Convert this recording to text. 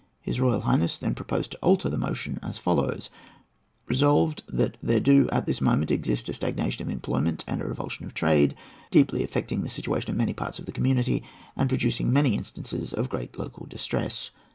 His Royal Highness then proposed to alter the motion as follows:— "Resolved that there do at this moment exist a stagnation of employment and a revulsion of trade, deeply affecting the situation of many parts of the community, and producing many instances of great local distress."